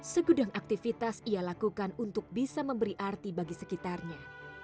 segudang aktivitas ia lakukan untuk bisa memberi arti bagi sekitarnya